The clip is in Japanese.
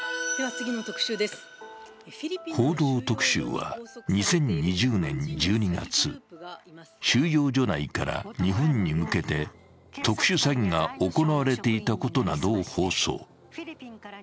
「報道特集」は２０２０年１２月収容所内から日本に向けて特殊詐欺が行われていたことなどを放送。